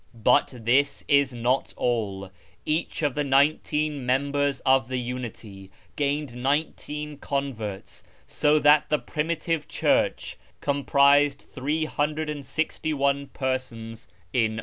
But this is not all. Each of the nineteen members of the " Unity " gained nineteen con verts, so that the primitive church comprised 361 persons in aU.